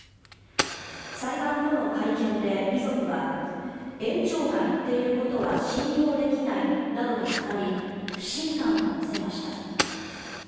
裁判後の会見で、遺族は園長が言っていることは信用できないなどと語り不信感を見せました。